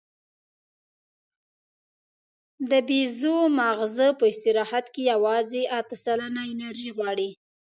د بیزو ماغزه په استراحت کې یواځې اته سلنه انرژي غواړي.